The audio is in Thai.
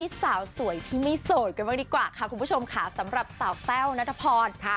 สาวสวยที่ไม่โสดกันบ้างดีกว่าค่ะคุณผู้ชมค่ะสำหรับสาวแต้วนัทพรค่ะ